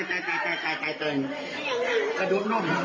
สู่แก่ความคิดแข็งสงสังหรอ